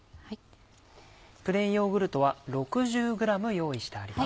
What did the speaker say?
プレーンヨーグルトは６０ｇ用意してあります。